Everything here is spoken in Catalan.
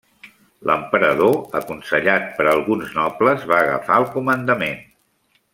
L'emperador, aconsellat per alguns nobles, va agafar el comandament.